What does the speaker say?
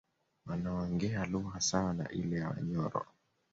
Wanaongea lugha sawa na ile ya Wanyoro